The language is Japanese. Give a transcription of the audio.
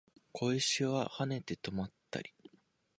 小石は跳ねて止まったり